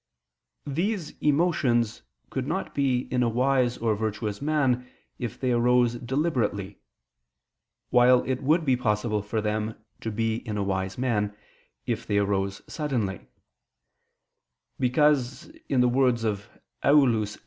These emotions could not be in a wise or virtuous man if they arose deliberately: while it would be possible for them to be in a wise man, if they arose suddenly: because, in the words of Aulus Gellius [*Noct.